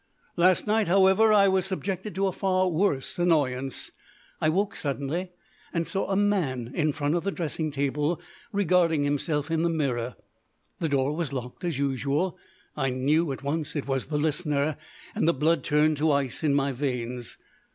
Last night, however, I was subjected to a far worse annoyance. I woke suddenly, and saw a man in front of the dressing table regarding himself in the mirror. The door was locked, as usual. I knew at once it was the Listener, and the blood turned to ice in my veins.